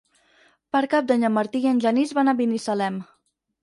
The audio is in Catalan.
Per Cap d'Any en Martí i en Genís van a Binissalem.